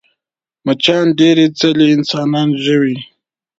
مچان ډېرې ځلې انسان ژوي